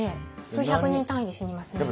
数百人単位で死にますね。